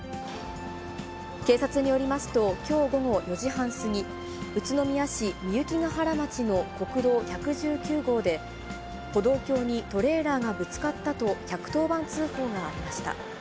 警察によりますと、きょう午後４時半過ぎ、宇都宮市御幸ケ原町の国道１１９号で、歩道橋にトレーラーがぶつかったと１１０番通報がありました。